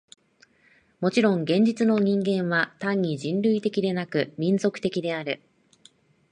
もちろん現実の人間は単に人類的でなく、民族的である。